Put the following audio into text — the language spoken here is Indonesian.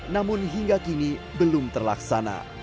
namun hingga kini belum terlaksana